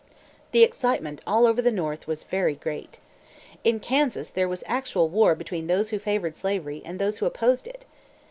The excitement all over the North was very great. In Kansas there was actual war between those who favored slavery and those who opposed it.